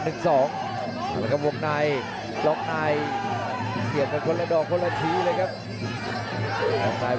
แล้วก็บวกนายล๊อคนายเสียงคนละดองคนละทีเลยครับ